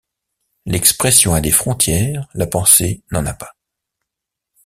L’expression a des frontières, la pensée n’en a pas.